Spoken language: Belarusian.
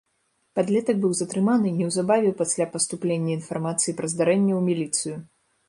Падлетак быў затрыманы неўзабаве пасля паступлення інфармацыі пра здарэнне ў міліцыю.